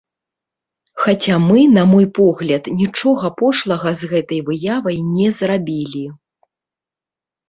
Хаця мы, на мой погляд, нічога пошлага з гэтай выявай не зрабілі.